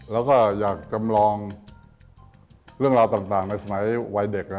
แล้วก็อยากจำลองเรื่องราวต่างในสมัยวัยเด็ก